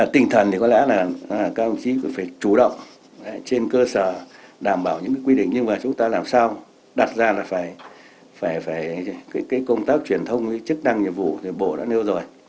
tinh thần thì có lẽ là các ông chí cũng phải chủ động trên cơ sở đảm bảo những quy định nhưng mà chúng ta làm sao đặt ra là phải công tác truyền thông chức năng nhiệm vụ thì bộ đã nêu rồi